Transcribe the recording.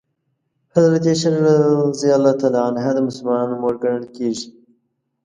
حضرت عایشه رض د مسلمانانو مور ګڼل کېږي.